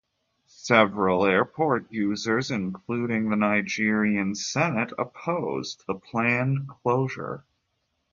Several airport users, including the Nigerian Senate, opposed the planned closure.